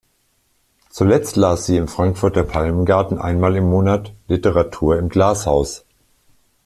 Zuletzt las sie im Frankfurter Palmengarten einmal im Monat „Literatur im Glashaus“.